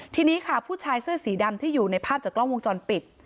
ทีนี้ค่ะผู้ชายเสื้อสีดำที่อยู่ในภาพจากกล้องวงจรปิด